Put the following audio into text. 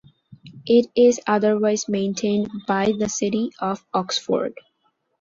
It is otherwise maintained by the city of Oxford.